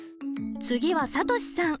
次はさとしさん。